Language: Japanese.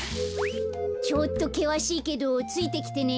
ちょっとけわしいけどついてきてね。